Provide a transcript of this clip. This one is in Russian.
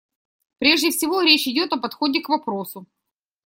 Прежде всего речь идет о подходе к вопросу.